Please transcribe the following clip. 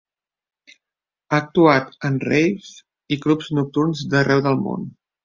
Ha actuat en "raves" i clubs nocturns d'arreu del món.